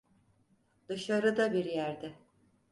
Dışarıda bir yerde.